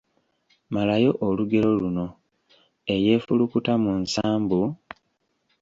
Malayo olugero luno: Eyeefulukuta mu nsambu, ……